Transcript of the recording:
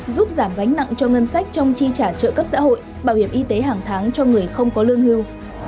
đánh nặng cho ngân sách trong chi trả trợ cấp xã hội bảo hiểm y tế hàng tháng cho người không có lương hưu